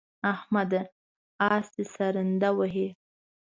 احمده! اس دې سرنده وهي.